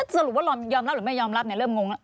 สรุปว่ายอมรับหรือไม่ยอมรับเนี่ยเริ่มงง